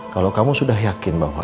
kalau kamu sudah yakin bapak